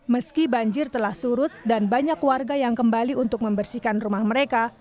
meski banjir telah surut dan banyak warga yang kembali untuk membersihkan rumah mereka